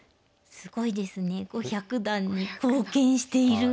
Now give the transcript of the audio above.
すごいですね５００段に貢献している。